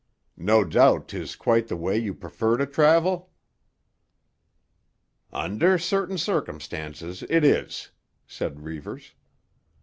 No doubt 'tis quite the way you prefer to travel?" "Under certain circumstances, it is," said Reivers.